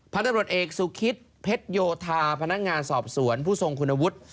พันธบรวจเอกสุคิตเพชรโยธาพนักงานสอบสวนผู้ทรงคุณวุฒิ